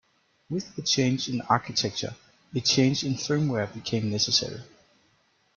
With the change in architecture, a change in firmware became necessary.